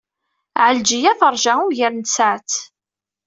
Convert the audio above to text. Ɛelǧiya teṛja ugar n tsaɛet.